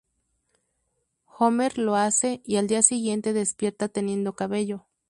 Homer lo hace y, al día siguiente, despierta teniendo cabello.